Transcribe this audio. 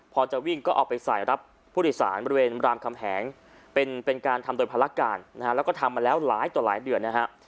พอจะวิ่งก็เอาไปใส่รับผู้โดยสารบริเวณรามคำแหงเป็นการทำโดยภารการนะฮะแล้วก็ทำมาแล้วหลายต่อหลายเดือนนะฮะ